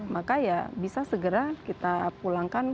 maka ya bisa segera kita pulangkan